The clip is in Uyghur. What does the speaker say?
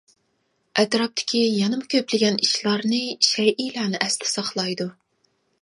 ئەتراپتىكى يەنىمۇ كۆپلىگەن ئىشلارنى، شەيئىلەرنى ئەستە ساقلايدۇ.